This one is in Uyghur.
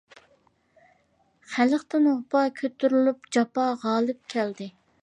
خەلقتىن ۋاپا كۆتۈرۈلۈپ، جاپا غالىب كەلدى.